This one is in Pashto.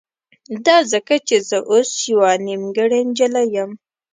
دا ځکه چې زه اوس يوه نيمګړې نجلۍ يم.